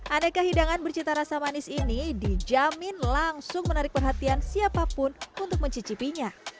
aneka hidangan bercita rasa manis ini dijamin langsung menarik perhatian siapapun untuk mencicipinya